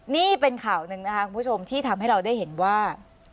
นี่เป็นข่าวหนึ่งนะคะคุณผู้ชมที่ทำให้เราได้เห็นว่า